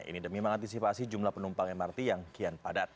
ini demi mengantisipasi jumlah penumpang mrt yang kian padat